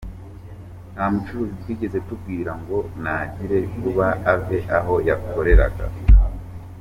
Nta mucuruzi twigeze tubwira ngo nagire vuba ave aho yakoreraga.